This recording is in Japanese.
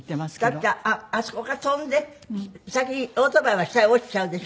だってあそこから飛んで先にオートバイは下へ落ちちゃうでしょ。